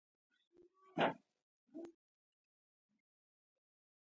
ډېر بد خبرونه را رسېدل.